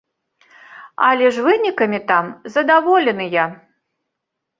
Але ж вынікамі там задаволеныя.